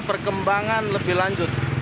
perkembangan lebih lanjut